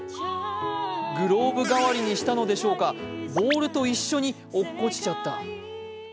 グローブ代わりにしたのでしょうか、ボールと一緒に落っこちちゃった。